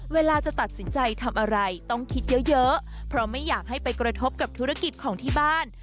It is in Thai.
เวลาจะตัดสินใจทำอะไรต้องคิดเยอะเพราะไม่อยากให้ไปกระทบกับธุรกิจของที่บ้าน